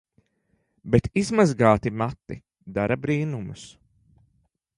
Bet izmazgāti mati dara brīnumus.